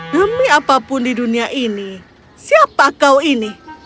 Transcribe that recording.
demi apapun di dunia ini siapa kau ini